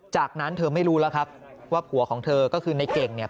จากนั้นเธอไม่รู้แล้วครับว่าผัวของเธอก็คือในเก่งเนี่ย